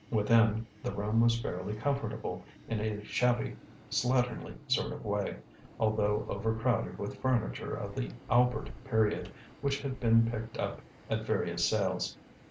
Within, the room was fairly comfortable in a shabby, slatternly sort of way, although overcrowded with furniture of the Albert period, which had been picked up at various sales.